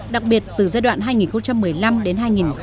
đặc biệt từ giai đoạn hai nghìn một mươi năm đến hai nghìn một mươi tám